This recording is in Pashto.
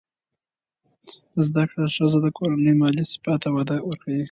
زده کړه ښځه د کورنۍ مالي ثبات ته وده ورکوي.